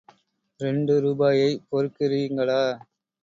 ரெண்டு ரூபாயைப் பொறுக்கிறீங்களா?